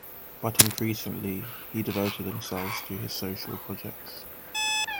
But increasingly he devoted himself to his social projects.